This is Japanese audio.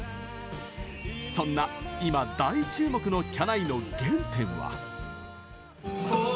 そんな、今、大注目のきゃないの原点は。